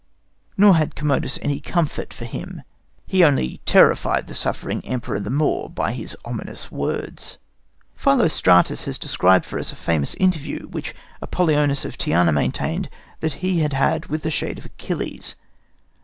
Nor had Commodus any comfort for him. He only terrified the suffering Emperor the more by his ominous words. Philostratus has described for us a famous interview which Apollonius of Tyana maintained that he had had with the shade of Achilles.